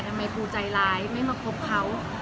ทำไมปูใจร้ายไม่มาคบเขา